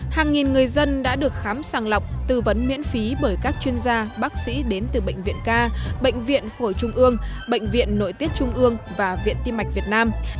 hàng nghìn người dân đã được khám sàng lọc tư vấn miễn phí bởi các chuyên gia bác sĩ đến từ bệnh viện ca bệnh viện phổi trung ương bệnh viện nội tiết trung ương và viện tim mạch việt nam